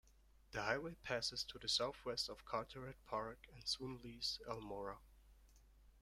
The highway passes to the southwest of Carteret Park and soon leaves Elmora.